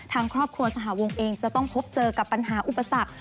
ทางครอบครัวสหวงเองจะต้องพบเจอกับปัญหาอุปสรรค